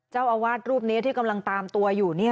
เจ้าอาวาสรูปนี้ที่กำลังตามตัวอยู่